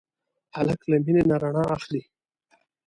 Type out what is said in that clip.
هلک له مینې نه رڼا اخلي.